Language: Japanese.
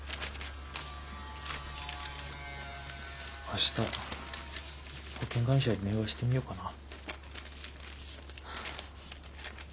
明日保険会社に電話してみようかな。